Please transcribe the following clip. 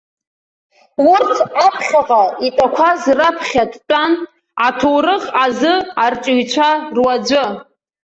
Урҭ аԥхьаҟа итәақәаз раԥхьа дтәан аҭоурых азы арҵаҩцәа руаӡәы.